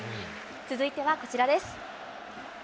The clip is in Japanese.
続いてはこちらです。